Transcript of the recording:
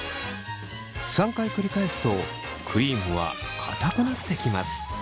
３回繰り返すとクリームはかたくなってきます。